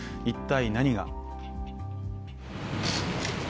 一体、何が。